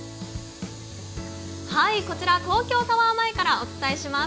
はい、こちら東京タワー前からお伝えします。